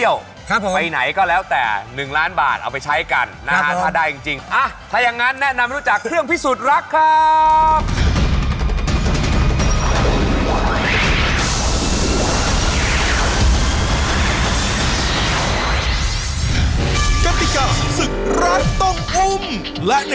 โอ้ยผมอยากให้เป็นผู้สมกรณ์ด้วยวะนะ